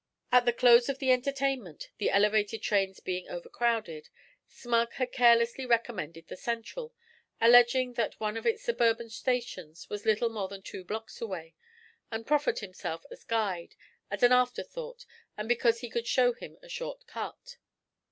At the close of the entertainment, the Elevated trains being overcrowded, Smug had carelessly recommended the Central, alleging that one of its suburban stations was little more than two blocks away, and proffered himself as guide, as an afterthought, and because he could show him a short cut.